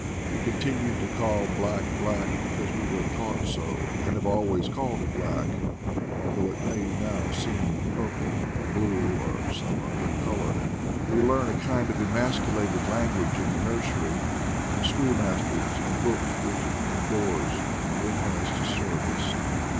We continue to call black black, because we were taught so, and have always called it black, although it may now seem purple or blue or some other color. We learn a kind of emasculated language in the nursery, from school masters, and books written indoors, and it has to serve us.